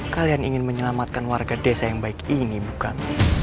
kalian ingin menyelamatkan warga desa yang baik ingin bukan